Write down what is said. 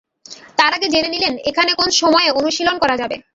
তার আগে জেনে নিলেন, এখানে কোন কোন সময়ে অনুশীলন করা যাবে।